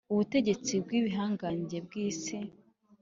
Ubutegetsi bw ibihangange bw isi